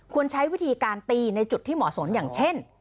ใช้วิธีการตีในจุดที่เหมาะสมอย่างเช่น